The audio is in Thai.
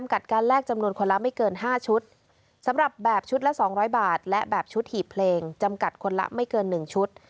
ก็จากนี้เองจำกัดคนละไม่เกินหนึ่งชุด